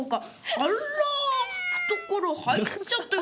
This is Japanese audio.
あっらあ懐入っちゃったよ」。